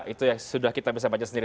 itu yang sudah kita bisa baca sendiri